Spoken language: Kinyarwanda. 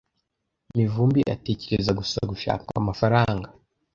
Mivumbi atekereza gusa gushaka amafaranga.